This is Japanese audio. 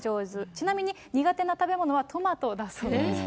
ちなみに、苦手な食べ物はトマトだそうです。